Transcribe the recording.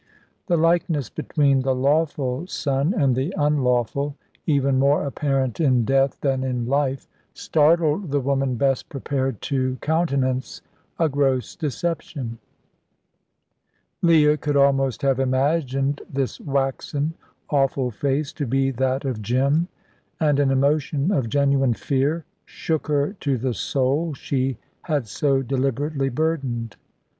The likeness between the lawful son and the unlawful, even more apparent in death than in life, startled the woman best prepared to countenance a gross deception. Leah could almost have imagined this waxen, awful face to be that of Jim; and an emotion of genuine fear shook her to the soul she had so deliberately burdened.